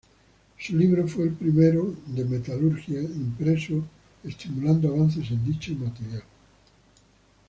Su libro fue el primero de metalurgia impreso, estimulando avances en dicha materia.